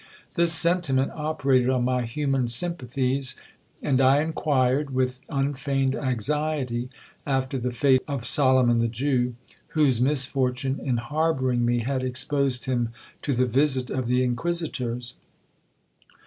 This sentiment operated on my human sympathies, and I inquired, with unfeigned anxiety, after the fate of Solomon the Jew, whose misfortune in harbouring me had exposed him to the visit of the Inquisitors.